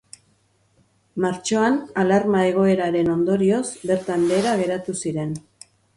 Martxoan, alarma egoeraren ondorioz bertan behera geratu ziren.